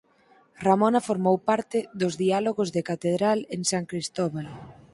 Ramona formou parte dos Diálogos de Catedral en San Cristóbal.